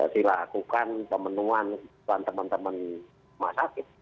dilakukan pemenuhan kebutuhan teman teman rumah sakit